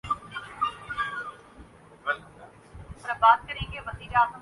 آج بھی ایسا ہی ہے۔